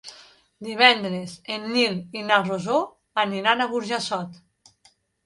Divendres en Nil i na Rosó aniran a Burjassot.